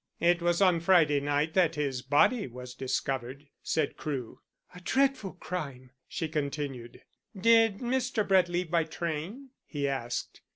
"It was on Friday night that his body was discovered," said Crewe. "A dreadful crime," she continued. "Did Mr. Brett leave by train?" he asked.